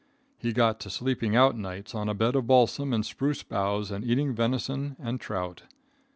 He got to sleeping out nights on a bed of balsam and spruce boughs and eating venison and trout.